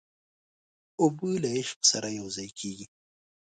اوبه له عشق سره یوځای کېږي.